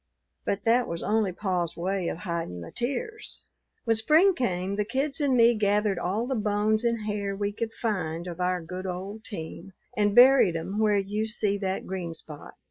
But that was only pa's way of hidin' the tears. "When spring came the kids and me gathered all the bones and hair we could find of our good old team, and buried 'em where you see that green spot.